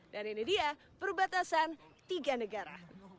dan ini dia perbatasan tiga negara